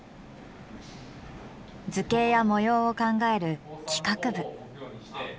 図形や模様を考える企画部。